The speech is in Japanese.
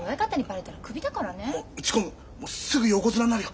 すぐ横綱になるよ！